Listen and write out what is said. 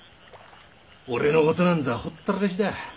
俺の事なんざほったらかしだ。